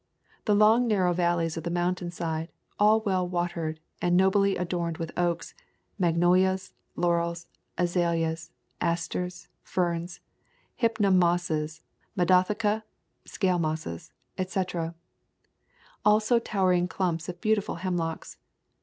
The long narrow valleys of the mountainside, all well watered and nobly adorned with oaks, magno lias, laurels, azaleas, asters, ferns, Hypnum mosses, Madotheca [Scale mosses], etc. Also towering clumps of beautiful hemlocks.